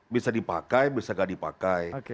bisa dipakai bisa nggak dipakai